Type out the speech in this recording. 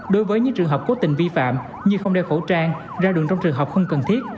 đối với những trường hợp cố tình vi phạm như không đeo khẩu trang ra đường trong trường hợp không cần thiết